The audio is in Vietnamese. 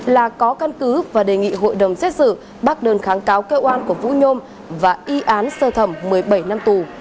là có căn cứ và đề nghị hội đồng xét xử bác đơn kháng cáo kêu an của vũ nhôm và y án sơ thẩm một mươi bảy năm tù